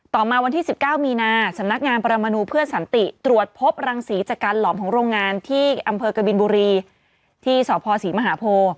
มาวันที่๑๙มีนาสำนักงานปรมนูเพื่อสันติตรวจพบรังศรีจากการหลอมของโรงงานที่อำเภอกบินบุรีที่สพศรีมหาโพ